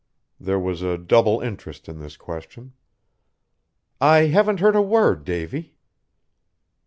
There was a double interest in this question. "I haven't heard a word, Davy."